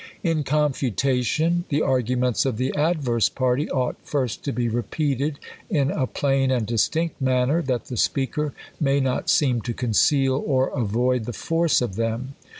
In confutation, the arguments of the adverse party ought first to be repeated in a plain and distinct man ner, that the speaker may not seem to conceal, or avoid the force of them.